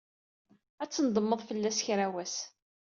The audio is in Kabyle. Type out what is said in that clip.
Ad tnedmed fell-as kra n wass.